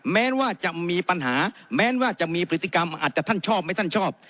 แม้ว่าจะมีปัญหาแม้ว่าจะมีพฤติกรรมอาจจะท่านชอบไหมท่านชอบ